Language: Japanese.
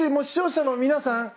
視聴者の皆さん！